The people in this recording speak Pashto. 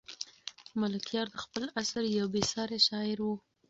ملکیار د خپل عصر یو بې ساری شاعر و.